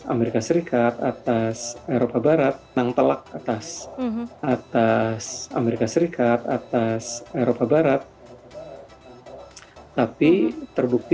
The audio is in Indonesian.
amerika serikat atas eropa barat nang telak atas atas amerika serikat atas eropa barat tapi terbukti